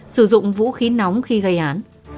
sử dụng vũ khí nóng khi gây án